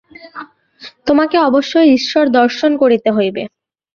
তোমাকে অবশ্যই ঈশ্বর দর্শন করিতে হইবে।